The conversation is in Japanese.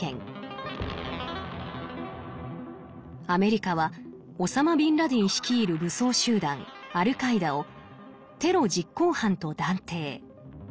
アメリカはオサマ・ビンラディン率いる武装集団アルカイダをテロ実行犯と断定。